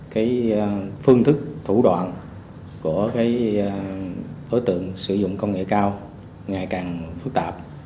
cái phương thức thủ đoạn của cái đối tượng sử dụng công nghệ cao ngày càng phức tạp